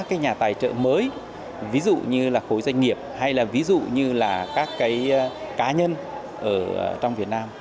các nhà tài trợ mới ví dụ như là khối doanh nghiệp hay là ví dụ như là các cái cá nhân ở trong việt nam